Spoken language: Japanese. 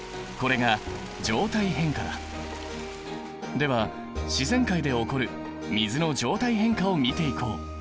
では自然界で起こる水の状態変化を見ていこう！